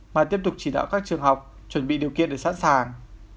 mà tiếp tục chỉ đạo các trường học chuẩn bị điều kiện để sẵn sàng